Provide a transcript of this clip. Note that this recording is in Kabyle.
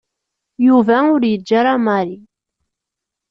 Yuba ur yeǧǧi ara Mary.